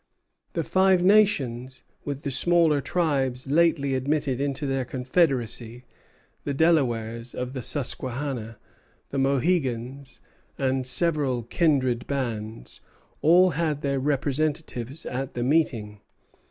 The Five Nations, with the smaller tribes lately admitted into their confederacy, the Delawares of the Susquehanna, the Mohegans, and several kindred bands, all had their representatives at the meeting.